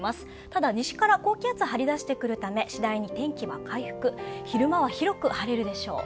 ただ西から高気圧張り出してくるため次第に天気は回復、昼間は広く晴れるでしょう。